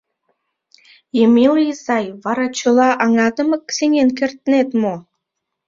Емела изай, вара чыла аҥатымак сеҥен кертнет мо?